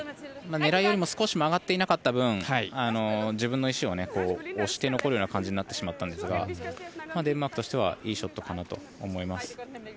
狙いよりも少し曲がっていなかった分自分を石を押して残るような形になってしまったんですがデンマークとしていいショットかなと思います。